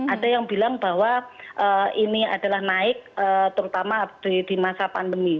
ada yang bilang bahwa ini adalah naik terutama di masa pandemi